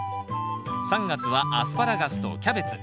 ３月は「アスパラガス」と「キャベツ」。